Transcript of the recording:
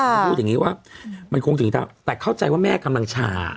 มันพูดอย่างนี้ว่ามันคงถึงแต่เข้าใจว่าแม่กำลังชา